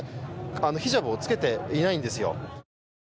ヒジャブを着けていないんですよ。